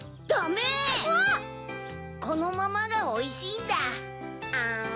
このままがおいしいんだ。